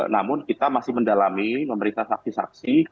namun kita masih mendalami memeriksa saksi saksi